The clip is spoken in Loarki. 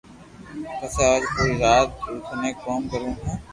پسي آج پوري رات رو ٿني ڪوم ڪرو ھي